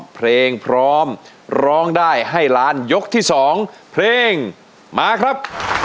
เพลงร้องได้ให้ล้านยกที่สองเพลงมาครับ